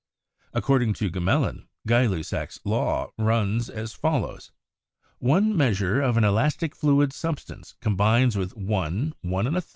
According to Gmelin, Gay Lussac's law runs as follows: "One measure of an elastic fluid substance combines with 1, 1%, 2, 2.